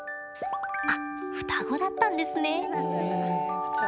あっ、双子だったんですね！